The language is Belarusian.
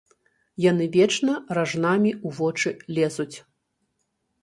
Яны вечна ражнамі ў вочы лезуць.